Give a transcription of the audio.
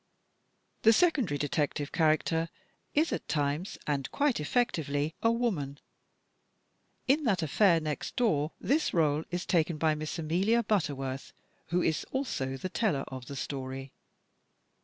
This secondary detective character is, at times and quite effectively, a woman. In "That Affair Next Door" this r61e is taken by Miss Amelia Butterworth, who is also the teller of the story.